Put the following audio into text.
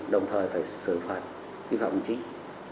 đồng thời phải xử phạt vi phạm chính